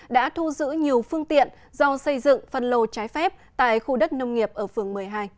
đã thu giữ nhiều phương tiện do xây dựng phân lô trái phép tại khu đất nông nghiệp ở phường một mươi hai